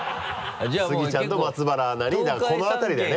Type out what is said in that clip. スギちゃんと松原アナにだからこの辺りだね。